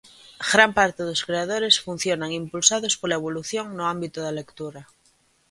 Gran parte dos creadores funcionan impulsados pola evolución no ámbito da lectura.